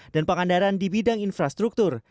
dan pengandaran di bidang infrastruktur